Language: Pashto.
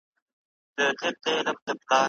ایا د تعلیمي کال پیل په ټولو ولایتونو کي یو شان دی؟